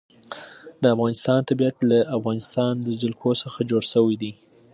د افغانستان طبیعت له د افغانستان جلکو څخه جوړ شوی دی.